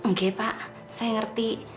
oke pak saya ngerti